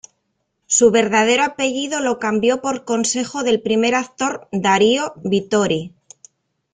Su verdadero apellido lo cambió por consejo del primer actor Darío Vittori.